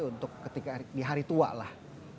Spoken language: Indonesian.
untuk ketika di hari tua lah